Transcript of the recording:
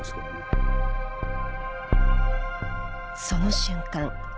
その瞬間